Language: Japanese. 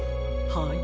はい。